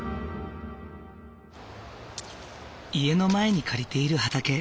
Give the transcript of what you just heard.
家の前に借りている畑。